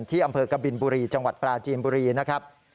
ที่อำเภอกบินบุรีจังหวัดปราจีนบุรีนะครับ